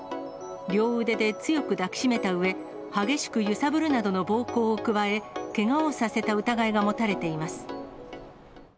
両腕で強く抱き締めたうえ、激しく揺さぶるなどの暴行を加え、けがをさせた疑いが持たれています。